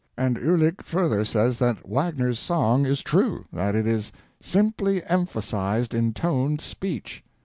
And Uhlic further says that Wagner's song is true: that it is "simply emphasized intoned speech."